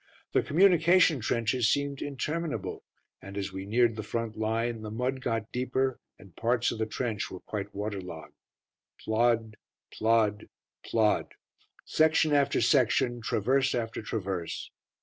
The communication trenches seemed interminable, and, as we neared the front line, the mud got deeper and parts of the trench were quite water logged. Plod, plod, plod; section after section, traverse after traverse.